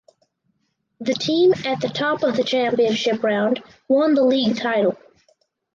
The team at the top of the Championship round won the league title.